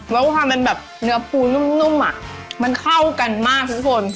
น้ำพริกน้ำนุ่มอะมันเข้ากันมากทุกคน